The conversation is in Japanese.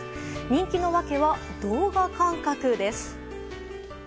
人気の訳は、動画感覚です。